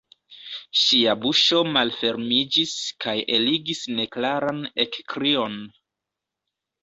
Ŝia buŝo malfermiĝis kaj eligis neklaran ekkrion.